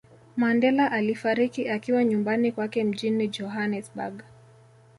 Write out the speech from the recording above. Mandela alifariki akiwa nyumbani kwake mjini Johanesburg